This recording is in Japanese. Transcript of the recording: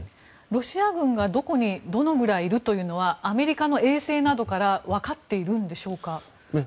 ロシア軍が、どこにどのぐらいいるというのはアメリカの衛星などからわかっているんでしょうか？